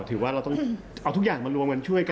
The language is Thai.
ถือว่าเราต้องเอาทุกอย่างมารวมกันช่วยกัน